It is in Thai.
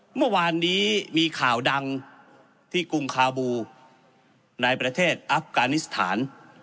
เมื่อวานนี้มีข่าวดังที่กรุงคาบูในประเทศอัฟกานิสถาน